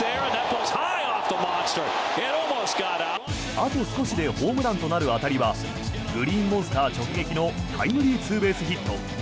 あと少しでホームランとなる当たりはグリーンモンスター直撃のタイムリーツーベースヒット。